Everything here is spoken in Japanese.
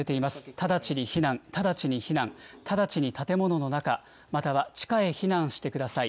直ちに避難、直ちに避難、直ちに建物の中、または地下へ避難してください。